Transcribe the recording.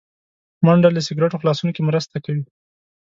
منډه له سګرټو خلاصون کې مرسته کوي